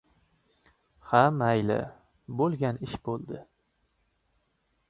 — Ha, mayli, bo‘lgan ish bo‘ldi.